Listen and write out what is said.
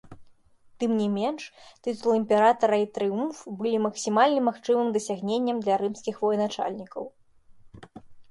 Тым не менш, тытул імператара і трыумф былі максімальным магчымым дасягненнем для рымскіх военачальнікаў.